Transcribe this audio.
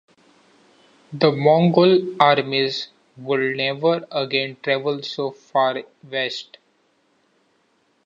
The Mongol armies would never again travel so far west.